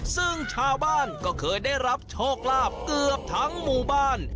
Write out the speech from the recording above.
ซึ่งชาวบ้านก็เคยได้รับโชคลาภเกือบทั้งหมู่บ้าน